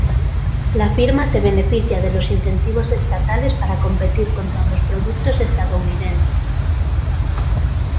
La firma se beneficia de los incentivos estatales para competir contra los productos estadounidenses.